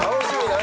何？